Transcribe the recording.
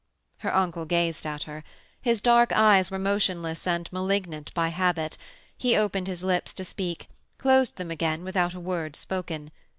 Her uncle gazed at her: his dark eyes were motionless and malignant by habit; he opened his lips to speak; closed them again without a word spoken.